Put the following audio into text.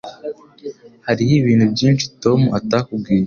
Hariho ibintu byinshi Tom atakubwiye.